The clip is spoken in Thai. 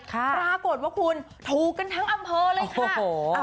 ปรากฏว่าคุณถูกกันทั้งอำเภอเลยค่ะ